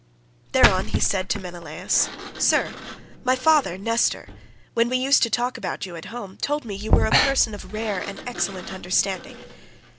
Thereon he said to Menelaus, "Sir, my father Nestor, when we used to talk about you at home, told me you were a person of rare and excellent understanding.